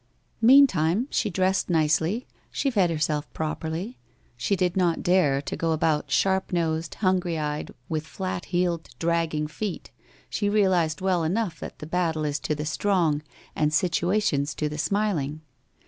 Meantime she dressed nicely, .she fed herself properly, she did not dare to go about sharp nosed, hungry eyed, with flat heeled dragging feet, she realised well enough that the battle is to the strong and situations to the smil ing.